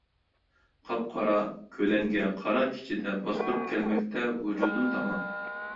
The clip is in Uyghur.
قاپقارا كۆلەڭگە قارا كېچىدە باستۇرۇپ كەلمەكتە ۋۇجۇدۇم تامان.